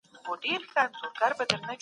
بد نيت خپل څښتن ته تاوان رسوي.